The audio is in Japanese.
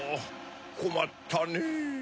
こまったねぇ。